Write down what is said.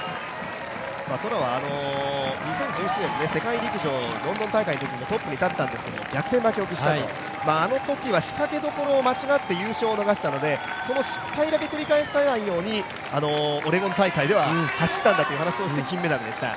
トラは２０１７年の世界陸上ロンドン大会のときもトップに立っていたんですけども逆転負けを喫したと、あのときは仕掛けどころを間違って優勝を逃したのでその失敗だけ繰り返さないように、オレゴン大会では走ったんだっていう話をしていて金メダルでした。